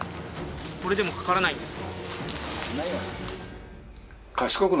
これでもかからないんですか？